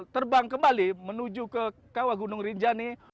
terbang kembali menuju ke kawah gunung rinjani